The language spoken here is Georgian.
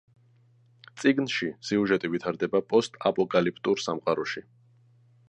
წიგნში სიუჟეტი ვითარდება პოსტაპოკალიფტურ სამყაროში.